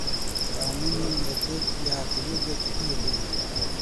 په امونیم نایتریت یا په یوریا کې ډیر دی؟